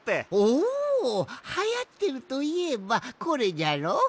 おおはやっているといえばこれじゃろ！